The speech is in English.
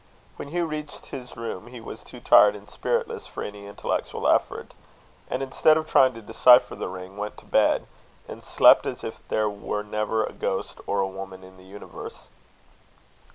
When Hugh reached his room he was too tired and spiritless for any intellectual effort; and, instead of trying to decipher the ring, went to bed, and slept as if there were never a ghost or a woman in the universe.